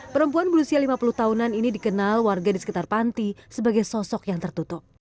perempuan berusia lima puluh tahunan ini dikenal warga di sekitar panti sebagai sosok yang tertutup